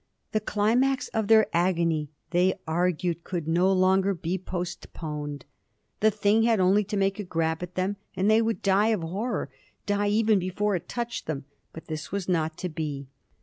The climax of their agony, they argued, could no longer be postponed. The thing had only to make a grab at them and they would die of horror die even before it touched them. But this was not to be.